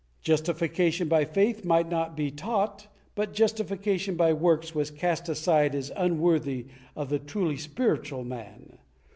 Justification by faith might not be taught, but justification by works was cast aside as unworthy of the truly spiritual man.